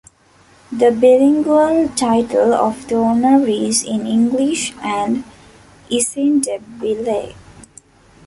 The bilingual title of the honour is in English and isiNdebele.